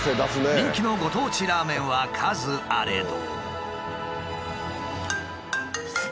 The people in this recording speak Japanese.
人気のご当地ラーメンは数あれど。